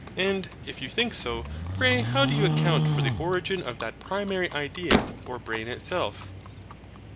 And, if you think so, pray how do you account for the origin of that primary idea or brain itself?